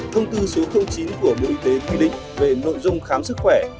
thông tư số chín của bộ y tế quy định về nội dung khám sức khỏe